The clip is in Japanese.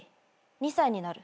２歳になる？